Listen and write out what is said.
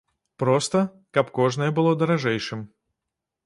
Проста, каб кожнае было даражэйшым.